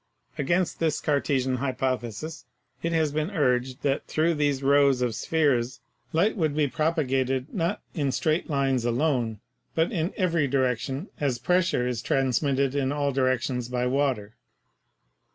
Against this Cartesian hypothesis it has been urged that through these rows of spheres light would be propagated, not in straight lines alone, but in every direction, as pressure is transmitted in all directions by water.